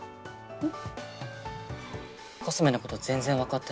うん。